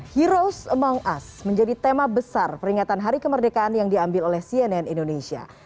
heroes among us menjadi tema besar peringatan hari kemerdekaan yang diambil oleh cnn indonesia